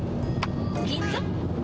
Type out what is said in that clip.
銀座？